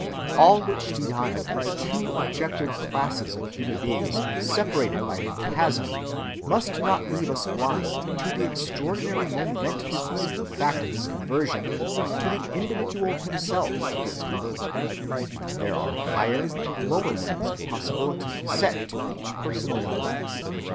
All which denial of two objective classes of human beings separated by a chasm must not leave us blind to the extraordinary momentousness of the fact of his conversion to the individual himself who gets converted. There are higher and lower limits of possibility set to each personal life.